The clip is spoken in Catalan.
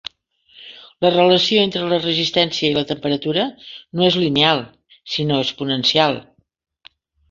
La relació entre la resistència i la temperatura no és lineal sinó exponencial.